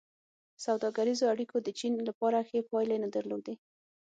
سوداګریزو اړیکو د چین لپاره ښې پایلې نه درلودې.